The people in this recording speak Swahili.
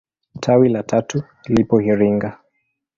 Tawi la tatu lipo Iringa.